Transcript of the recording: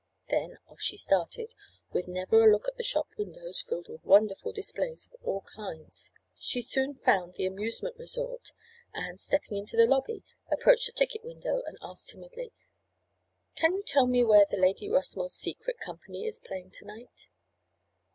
Then off she started, with never a look at the shop windows filled with wonderful displays of all kinds. She soon found the amusement resort, and stepping into the lobby, approached the ticket window and asked timidly: "Can you tell me where the 'Lady Rossmore's Secret' company is playing to night?"